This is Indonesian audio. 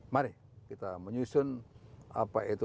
mari kita menyusun apa itu